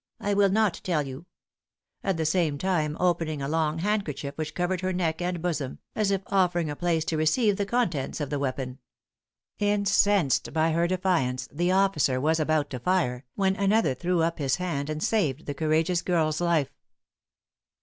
I will not tell you," at the same time opening a long handkerchief which covered her neck and bosom, as if offering a place to receive the contents of the weapon. Incensed by her defiance, the officer was about to fire, when another threw up his hand, and saved the courageous girl's life.